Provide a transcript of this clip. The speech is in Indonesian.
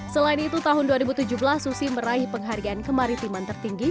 selain itu tahun dua ribu tujuh belas susi meraih penghargaan kemaritiman tertinggi